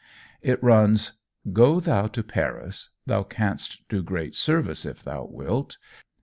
It runs: "Go thou to Paris; thou canst do great service if thou wilt.